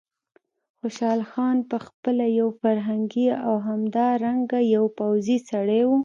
خوشحال خان په خپله یو فرهنګي او همدارنګه یو پوځي سړی و.